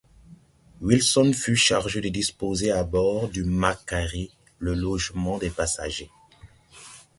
Wilson fut chargé de disposer à bord du Macquarie le logement des passagers.